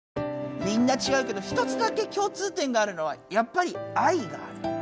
みんなちがうけど１つだけ共通点があるのはやっぱり愛がある。